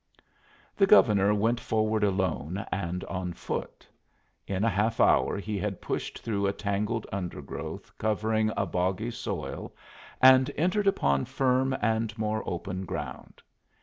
The Governor went forward alone and on foot. In a half hour he had pushed through a tangled undergrowth covering a boggy soil and entered upon firm and more open ground.